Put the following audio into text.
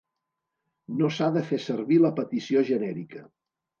No s'ha de fer servir la petició genèrica.